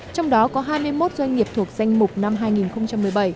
trong đó có hai mươi một doanh nghiệp thuộc danh mục năm hai nghìn một mươi bảy